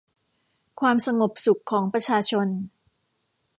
ความสงบสุขของประชาชน